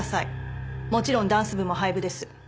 もちろんダンス部も廃部です。